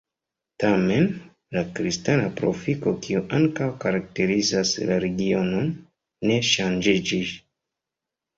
Tamen, la kristana profilo, kiu ankaŭ karakterizas la regionon, ne ŝanĝiĝis.